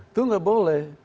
itu tidak boleh